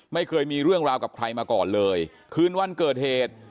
ไม่เคยมีเรื่องราวกับใครมาก่อนเลยคืนวันเกิดเหตุ